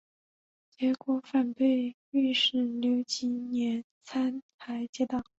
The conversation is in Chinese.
结果反被御史刘其年参劾结党。